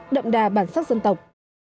đậm đà bản sắc dân tộc